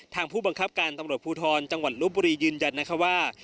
ทางผู้บังคับการตำรวจภูทรจังหวัลลูกบุรียืนยันว่า